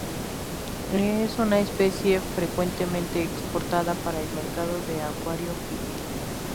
Es una especie frecuentemente exportada para el mercado de acuariofilia.